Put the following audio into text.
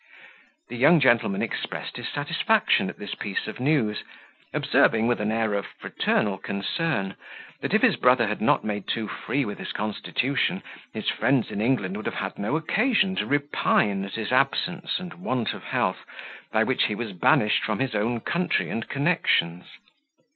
The young gentleman expressed his satisfaction at this piece of news; observing, with an air of fraternal concern, that if his brother had not made too free with his constitution, his friends in England would have had no occasion to repine at his absence and want of health, by which he was banished from his own country and connections.